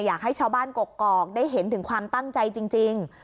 อยากให้ชาวบ้านกกอกได้เห็นถึงความตั้งใจจริง